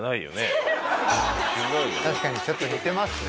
確かにちょっと似てますね。